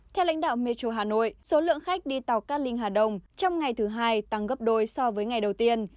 theo lãnh đạo metro hà nội số lượng khách đi tàu cát linh hà đông trong ngày thứ hai tăng gấp đôi so với ngày đầu tiên